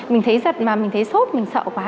mình thấy giật mà mình thấy sốt mình sợ quá